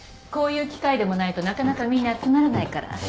こういう機会でもないとなかなかみんな集まらないから。